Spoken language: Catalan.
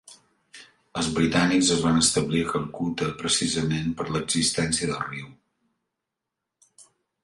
Els britànics es van establir a Calcuta precisament per l'existència del riu.